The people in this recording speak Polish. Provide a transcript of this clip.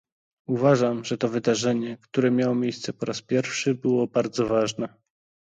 Uważam, że to wydarzenie, które miało miejsce po raz pierwszy, było bardzo ważne